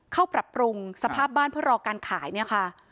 เข้าปรับปรุงสภาพบ้านเพื่อรอการขายเนี่ยค่ะ